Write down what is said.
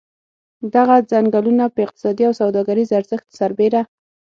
دغه څنګلونه په اقتصادي او سوداګریز ارزښت سربېره.